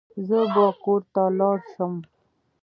زه بو کور ته لوړ شم.